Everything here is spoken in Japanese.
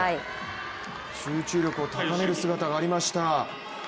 集中力を高める姿がありました。